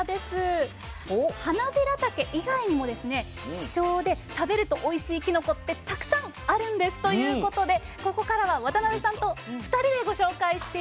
希少で食べるとおいしいきのこってたくさんあるんですということでここからは渡辺さんと２人でご紹介していきます。